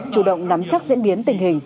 chủ động nắm chắc diễn biến tình hình